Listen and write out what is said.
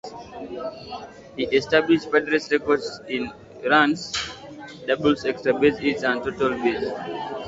He established Padres' records in runs, doubles, extra-base hits, and total bases.